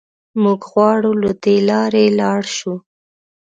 موږ غواړو له دې لارې لاړ شو.